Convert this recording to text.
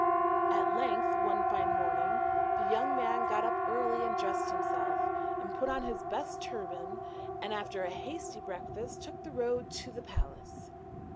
At length one fine morning, the young man got up early and dressed himself, and put on his best turban, and after a hasty breakfast took the road to the palace.